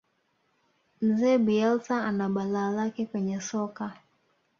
mzee bielsa ana balaa lake kwenye soka